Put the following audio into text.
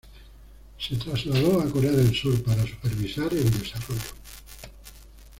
Se trasladó a Corea del Sur para supervisar el desarrollo.